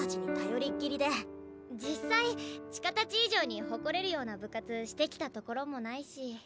実際千歌たち以上に誇れるような部活してきたところもないし。